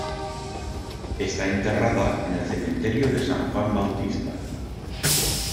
Está enterrada en el Cementerio de San Juan Bautista.